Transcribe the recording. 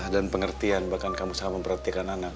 dan pengertian bahkan kamu sama memperhatikan anak